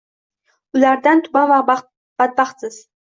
ulardan-da tuban va badbaxtsiz.